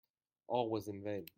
All was in vain.